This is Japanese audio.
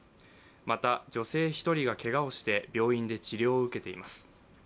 また女性１人がけがをして病院で治療を受けています。